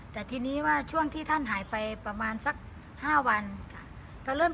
แต่ทีนี้ว่าช่วงที่ท่านหายไปประมาณสัก๕วันค่ะ